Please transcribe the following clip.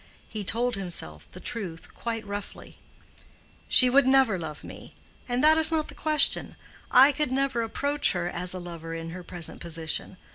He told himself the truth quite roughly, "She would never love me; and that is not the question—I could never approach her as a lover in her present position.